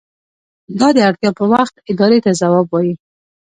دا د اړتیا په وخت ادارې ته ځواب وايي.